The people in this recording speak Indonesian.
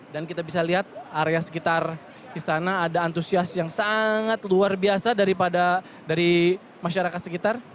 dan kita bisa lihat area sekitar istana ada antusias yang sangat luar biasa dari masyarakat sekitar